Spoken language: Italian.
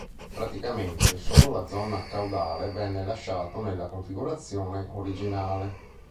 Praticamente solo la zona caudale venne lasciato nella configurazione originale.